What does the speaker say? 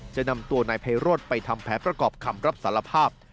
จะนำตัวนายไพโรธไปทำแผนประกอบคำรับสารภาพ